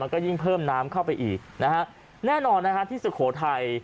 ก็ยิ่งเพิ่มน้ำเข้าไปอีกนะฮะแน่นอนนะฮะที่สุโขทัย